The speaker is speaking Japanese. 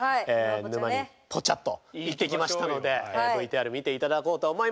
沼にポチャッと行ってきましたのでＶＴＲ見て頂こうと思います！